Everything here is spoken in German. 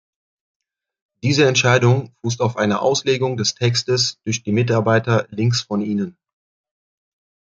Diese Entscheidung fußt auf einer Auslegung des Textes durch die Mitarbeiter links von Ihnen.